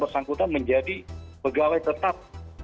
bersangkutan menjadi pegawai tetap